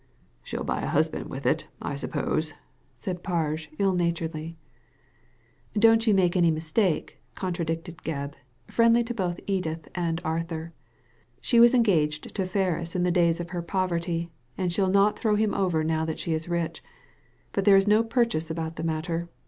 "She'll buy a husband with it, I suppose" said Parge, ill naturedly. " Don't you make any mistake," contradicted Gebb, friendly to both Edith and Arthur. "She was engaged to Ferris in the days of her poverty, and she'll not throw him over now that she is rich ; but there is no purchase about the matter.